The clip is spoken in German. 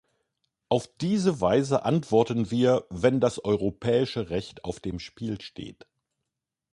Auf diese Weise antworten wir, wenn das europäische Recht auf dem Spiel steht.